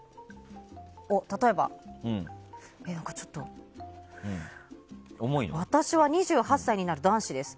例えば私は２８歳になる男子です。